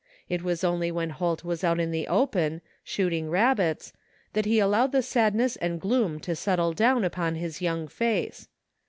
It was only when Holt was out in the open, shooting rabbits, that he allowed the sadness and gloom to settle down upon his young face.